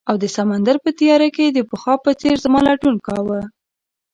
او د سمندر په تیاره کې یې د پخوا په څیر زما لټون کاؤه